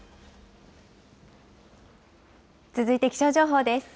続いて気象情報です。